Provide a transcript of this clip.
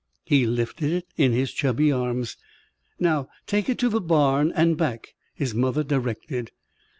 He lifted it in his chubby arms. "Now take it to the barn and back," his mother directed.